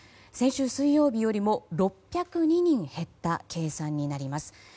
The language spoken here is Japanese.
先週水曜日よりも６０２人減った計算になります。